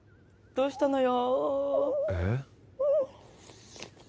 どうしたのよ？